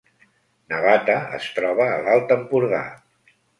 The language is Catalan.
Navata es troba a l’Alt Empordà